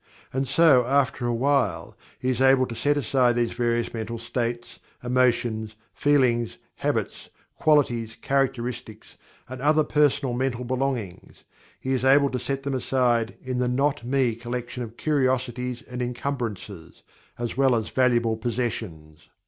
And so after a while he is able to set aside these various mental states, emotions, feelings, habits, qualities, characteristics, and other personal mental belongings he is able to set them aside in the "not me" collection of curiosities and encumbrances, as well as valuable possessions.